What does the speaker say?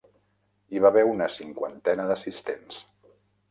Hi va haver una cinquantena d'assistents.